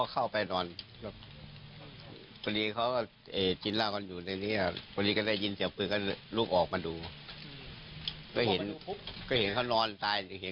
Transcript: เขามาขี่รถผ่านมามันเจลพอดี